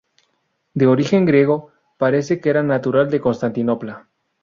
De origen griego, parece que era natural de Constantinopla.